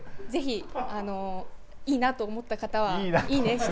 ぜひ、いいなと思った方はいいね！